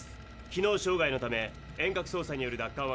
機能障害のため遠隔操作による奪還は困難。